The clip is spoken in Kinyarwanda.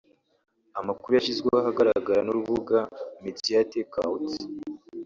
Amakuru yashyizwe ahagaragara n’urubuga MediatakeOut